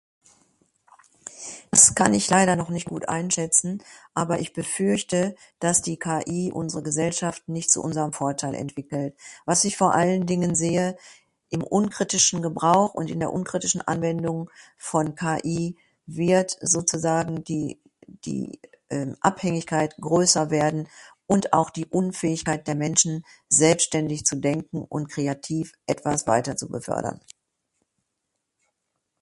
[unintelligible] s kann ich leider noch nicht gut einschätzen aber ich befürchte das die KI unsere Gesellschaft nicht zu unseren Vorteil entwickelt. Was ich vor allen Dingen sehe, im unkritischen Gebrauch und in der unkritischen Anwendung von KI wird sozusagen die die ehm Abhängigkeit größer werden und auch die Unfähigkeit der Menschen selbstständig zu denken und kreativ etwas weiter zu befördern.